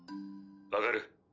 分かる？